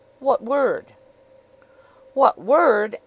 "What word?" "What word?